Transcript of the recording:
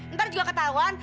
ntar juga ketahuan